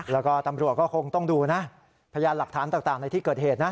แล้วก็ตำรวจก็คงต้องดูนะพยานหลักฐานต่างในที่เกิดเหตุนะ